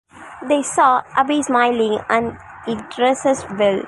They saw Abiy smiling and he dresses well.